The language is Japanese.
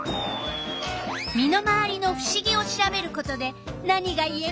身の回りのふしぎを調べることで何がいえる？